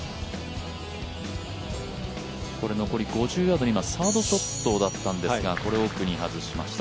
残り５０ヤード、サードショットだったんですが、これ、奥に外しました。